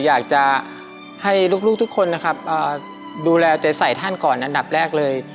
อยากจะให้ลูกทุกคนนะครับดูแลใจใส่ท่านก่อนอันดับแรกเลย